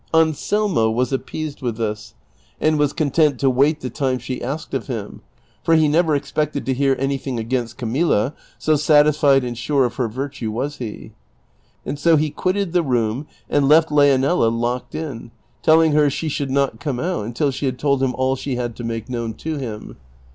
Anselmo was appeased with this, and was content to wait the time she asked of him, for he never expected to hear anything against Camilla, so satisfied and sure of her virtue was he ; and so he quitted the room, and left Leonela locked in, telling her she should not come out until she had told him all she had to make known to him.